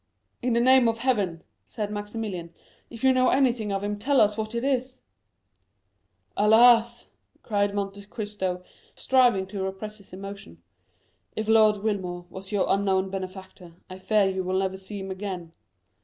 "In the name of Heaven," said Maximilian, "if you know anything of him, tell us what it is." "Alas," cried Monte Cristo, striving to repress his emotion, "if Lord Wilmore was your unknown benefactor, I fear you will never see him again.